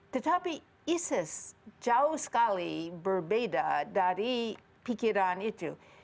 tetapi isis jauh sekali berbeda dari pikiran itu